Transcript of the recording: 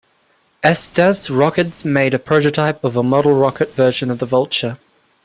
Estes Rockets made a prototype of a model rocket version of the "Vulture".